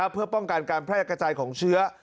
เพื่อป้องกันการแพร่กระจายของเชื้อ